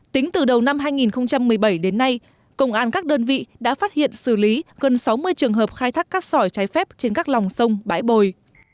tính từ đầu năm hai nghìn một mươi bảy đến nay công an các đơn vị đã phát hiện xử lý gần sáu mươi trường hợp khai thác cát sỏi trái phép trên các lòng sông bãi bồi